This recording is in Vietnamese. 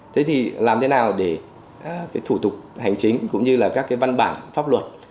thế thì làm thế nào để cái thủ tục hành chính cũng như là các cái văn bản pháp luật